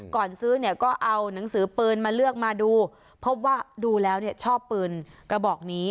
ก่อนซื้อเนี่ยก็เอาหนังสือปืนมาเลือกมาดูพบว่าดูแล้วเนี่ยชอบปืนกระบอกนี้